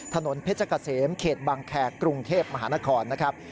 ถนนเพชรเกษมเขตบังแคร์กรุงเทพมหานครนะครับ